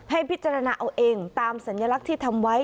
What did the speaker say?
ให้พิจารณาเอาเองตามสัญลักษณ์ที่ทำไว้